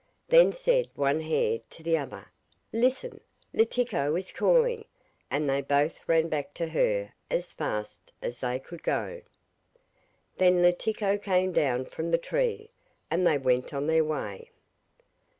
Then said one hare to the other: 'Listen, Letiko is calling;' and they both ran back to her as fast as they could go. Then Letiko came down from the tree, and they went on their way.